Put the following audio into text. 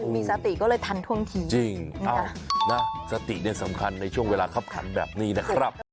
มีสติก็เลยทันท่วงทีจริงเอ้านะสติเนี่ยสำคัญในช่วงเวลาคับขันแบบนี้นะครับ